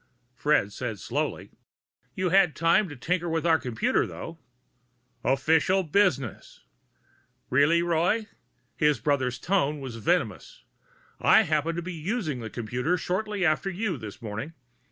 Fred said slowly, "You had time to tinker with our computer, though." "Official business!" "Really, Roy?" His brother's tone was venomous. "I happened to be using the computer shortly after you this morning.